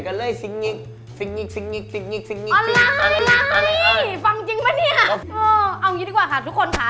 เอาอย่างงี้ดีกว่าค่ะทุกคนค่ะ